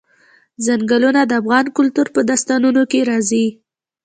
ځنګلونه د افغان کلتور په داستانونو کې راځي.